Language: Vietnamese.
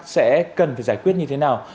sẽ cần phải giải quyết như thế nào